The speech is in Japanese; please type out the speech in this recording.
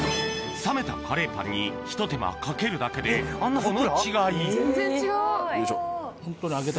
冷めたカレーパンにひと手間かけるだけでこの違いよいしょ。